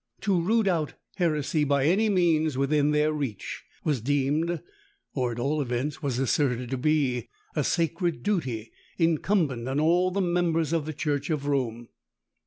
To root out heresy, by any means within their reach, was deemed, or at all events was asserted to be a sacred duty incumbent on all the members of the church of Rome.